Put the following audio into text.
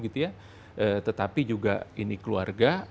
tetapi juga ini keluarga